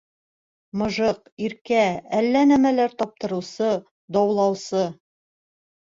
Мыжыҡ, иркә, әллә нәмәләр таптырыусы, даулаусы.